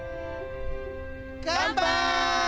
乾杯！